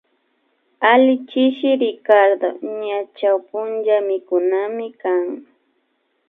Alli chishi Ricardo ña chawpunchamikunamikan